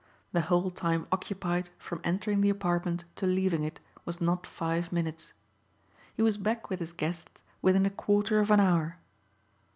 The whole time occupied from entering the apartment to leaving it was not five minutes. He was back with his guests within a quarter of an hour.